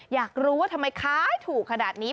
อยากรู้ว่าทำไมขายถูกขนาดนี้